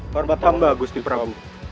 barbatamba gusti prabu